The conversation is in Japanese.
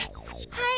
はい！